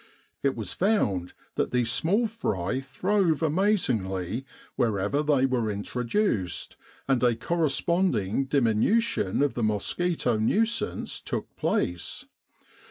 It was found that these small fry throve amazingly wherever they were introduced, and a corresponding diminution of the mosquito nuisance took place.